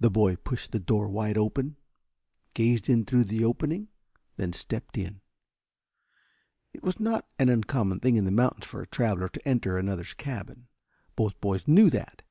The boy pushed the door wide open, gazed in through the opening, then stepped in. It was not an uncommon thing in the mountains for a traveler to enter another's cabin. Both boys knew that.